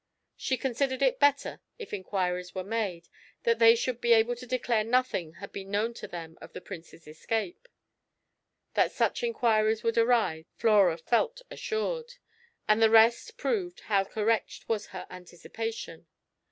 She considered it better, if inquiries were made, that they should be able to declare nothing had been known to them of the Prince's escape. That such inquiries would arise, Flora felt assured; and the result proved how correct was her anticipation.